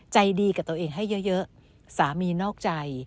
ใจดีกับตัวเองให้เยอะสามีนอกใจ